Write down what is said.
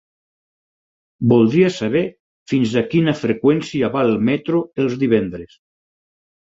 Voldria saber fins a quina freqüència va el metro els divendres?